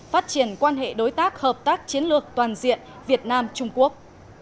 phát triển quan hệ đối tác hợp tác chiến lược toàn diện việt nam trung quốc